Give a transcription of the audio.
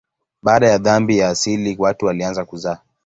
Baada ya dhambi ya asili watu walianza kuzaa.